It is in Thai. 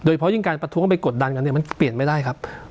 เพราะยิ่งการประท้วงไปกดดันกันเนี่ยมันเปลี่ยนไม่ได้ครับ